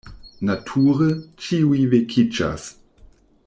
Nature, ĉiuj vekiĝas.